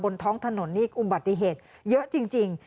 ท้องถนนนี่อุบัติเหตุเยอะจริง